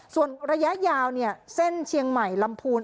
ส่วนระยะยาวเส้นเชียงใหม่ลำพูน